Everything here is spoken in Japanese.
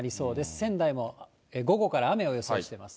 仙台も午後から雨を予想しています。